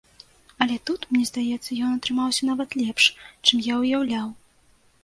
Але тут, мне здаецца, ён атрымаўся нават лепш, чым я ўяўляў.